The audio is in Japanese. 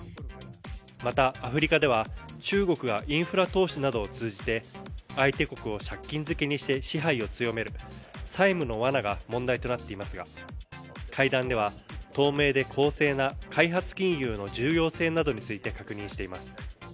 また、アフリカでは中国がインフラ投資などを通じて相手国を借金漬けにして支配を強める債務のわなが問題となっていますが会談では透明で公正な開発金融の重要性などについて確認しています。